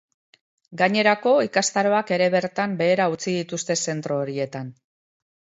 Gainerako, ikastaroak ere bertan behera utzi dituzte zentro horietan.